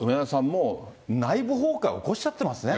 もう、内部崩壊起こしちゃってますね。